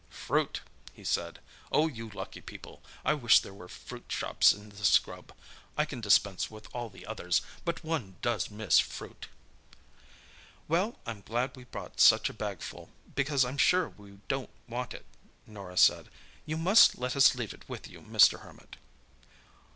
"Fruit!" he said. "Oh, you lucky people! I wish there were fruit shops in the scrub. I can dispense with all the others, but one does miss fruit." "Well, I'm glad we brought such a bagful, because I'm sure we don't want it," Norah said. "You must let us leave it with you, Mr. Hermit."